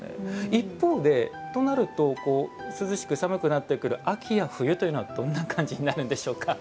一方でとなると涼しく寒くなってくる秋や冬というのはどんな感じになるんでしょうか？